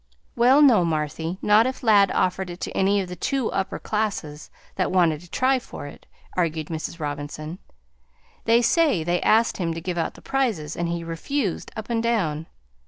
"Well, no, Marthy, not if Ladd offered it to any of the two upper classes that wanted to try for it," argued Mrs. Robinson. "They say they asked him to give out the prizes, and he refused, up and down.